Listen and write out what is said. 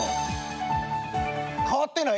変わってない。